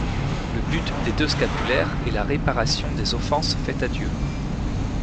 Le but des deux scapulaires est la réparation des offenses faites à Dieu.